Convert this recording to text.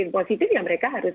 positif yang mereka harus